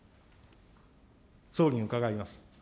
総理に伺います。